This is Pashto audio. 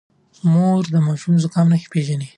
مور د ماشوم د زکام نښې پېژني.